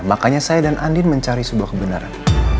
makanya saya dan andin mencari sebuah kebenaran